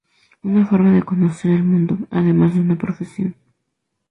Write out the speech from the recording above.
Una forma de conocer el mundo, además de una profesión.